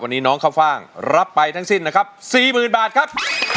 วันนี้น้องข้าวฟ่างรับไปทั้งสิ้นนะครับ๔๐๐๐บาทครับ